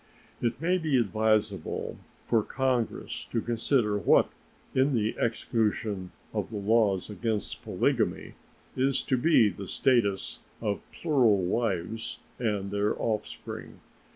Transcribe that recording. It may be advisable for Congress to consider what, in the execution of the laws against polygamy, is to be the status of plural wives and their offspring.